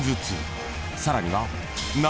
［さらには］